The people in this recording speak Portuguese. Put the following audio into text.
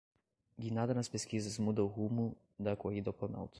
Guinada nas pesquisas muda o rumo da corrida ao Planalto